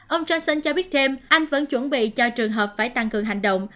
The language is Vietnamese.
ông johnson cho biết thêm anh vẫn chuẩn bị cho trường hợp phải tăng cường hành động